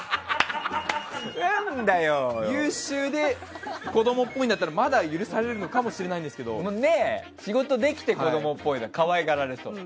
優秀で子供っぽいんだったらまだ許されるのかもしれないんですけど仕事できて子供っぽいは可愛がられるけどね。